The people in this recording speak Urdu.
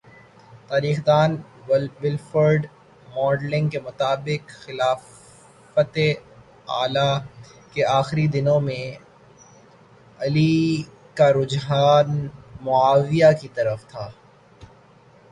تاریخ دان ولفرڈ ماڈلنگ کے مطابق خلافتِ علی کے آخری دنوں میں علی کا رجحان معاویہ کی طرف تھا